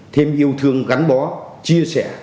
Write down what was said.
thêm yêu thương gắn bó chia sẻ